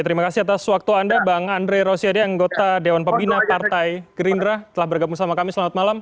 terima kasih atas waktu anda bang andre rosiade anggota dewan pembina partai gerindra telah bergabung sama kami selamat malam